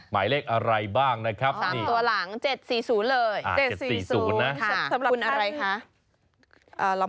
ไม่บอกดีกว่า